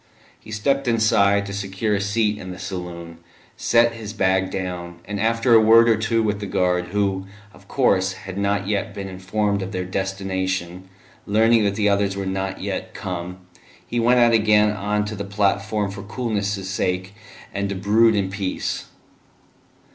He stepped inside to secure a seat in the saloon, set his bag down, and after a word or two with the guard, who, of course, had not yet been informed of their destination, learning that the others were not yet come, he went out again on to the platform for coolness' sake, and to brood in peace.